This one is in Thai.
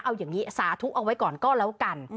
เอาอย่างนี้สาธุเอาไว้ก่อนก็แล้วกัน